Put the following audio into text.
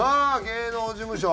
芸能事務所